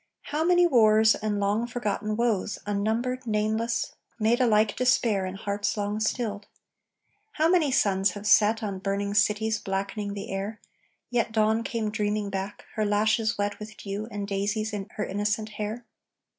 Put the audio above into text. How many wars and long forgotten woes Unnumbered, nameless, made a like despair In hearts long stilled; how many suns have set On burning cities blackening the air, Yet dawn came dreaming back, her lashes wet With dew, and daisies in her innocent hair.